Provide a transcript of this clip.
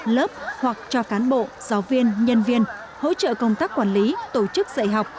lớp hoặc cho cán bộ giáo viên nhân viên hỗ trợ công tác quản lý tổ chức dạy học